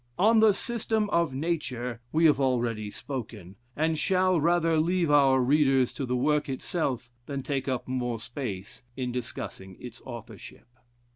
Of the "System of Nature" we have already spoken, and shall rather leave our readers to the work itself than take up more space in discussing its authorship.